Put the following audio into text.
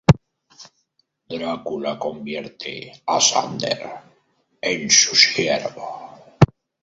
Drácula convierte a Xander en su siervo.